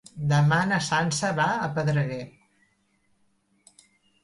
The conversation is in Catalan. Demà na Sança va a Pedreguer.